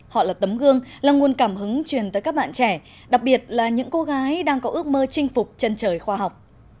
họ là tấm gương là nguồn cảm hứng truyền tới các bạn trẻ đặc biệt là những cô gái đang có ước mơ chinh phục chân trời khoa học